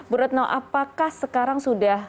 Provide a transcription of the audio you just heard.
bu retno apakah sekarang sudah